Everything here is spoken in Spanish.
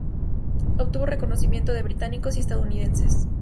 Obtuvo reconocimiento de británicos y estadounidenses.